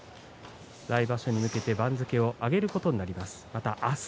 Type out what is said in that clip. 来場所に向けて番付を上げることになります。